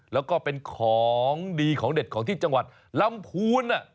แล้วก็เป็นของดีของเด็ดของที่จังหวัดลำพูน